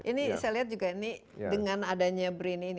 ini saya lihat juga ini dengan adanya brin ini